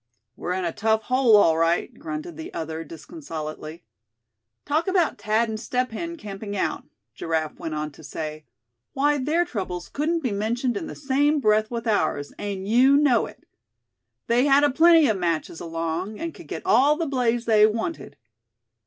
"We're in a tough hole, all right," grunted the other, disconsolately. "Talk about Thad and Step Hen camping out;" Giraffe went on to say, "why their troubles couldn't be mentioned in the same breath with ours, and you know it. They had aplenty of matches along, and could get all the blaze they wanted."